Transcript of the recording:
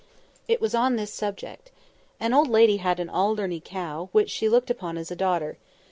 It was on this subject: An old lady had an Alderney cow, which she looked upon as a daughter.